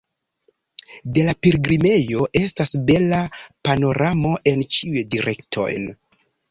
De la pilgrimejo estas bela panoramo en ĉiujn direktojn.